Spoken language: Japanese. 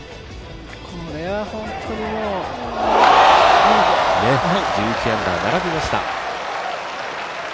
これは本当にもう１１アンダー並びました。